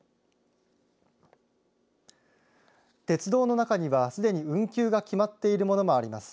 鉄道の中には、すでに運休が決まっているものもあります。